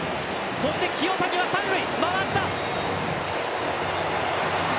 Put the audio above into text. そして清谷は、三塁回った！